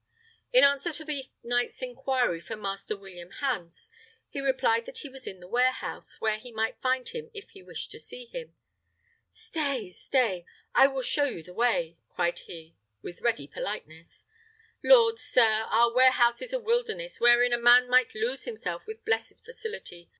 In answer to the knight's inquiry for Master William Hans, he replied that he was in the warehouse, where he might find him if he wished to see him. "Stay, stay! I will show you the way," cried he, with ready politeness. "Lord, sir! our warehouse is a wilderness, wherein a man might lose himself with blessed facility.